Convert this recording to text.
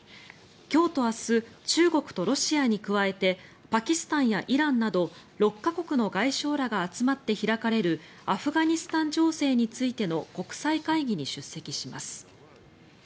今日と明日中国とロシアに加えてパキスタンやイランなど６か国の外相らが集まって開かれるアフガニスタン情勢についての国際会議に出席します。